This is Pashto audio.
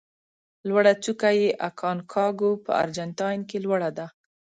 لوړه څوکه یې اکانکاګو په ارجنتاین کې لوړه ده.